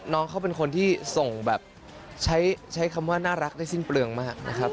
น้องเขาเป็นคนที่ส่งแบบใช้คำว่าน่ารักได้สิ้นเปลืองมากนะครับ